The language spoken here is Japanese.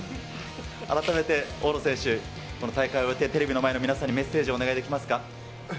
改めて大野選手、この大会を終えて、テレビの前の皆さんにメッセージをお願いできますか。